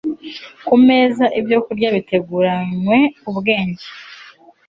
ku meza ibyokurya biteguranywe ubwenge